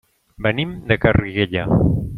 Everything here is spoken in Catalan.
Venim de Garriguella.